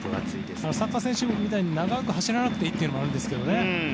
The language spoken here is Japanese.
サッカー選手みたいに長く走らなくていいというのもあるんですけどね。